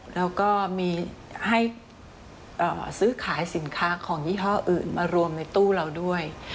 แล้วก็มีให้ซื้อขายสินค้าของยี่ห้ออื่นมารวมในตู้เราด้วย